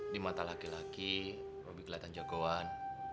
di mata laki laki robi kelihatan jagoan